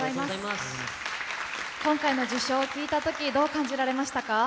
今回の受賞を聞いたとき、どう感じられましたか？